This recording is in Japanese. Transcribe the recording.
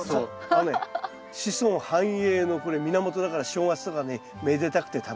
あのね子孫繁栄のこれ源だから正月とかにめでたくて食べるんです。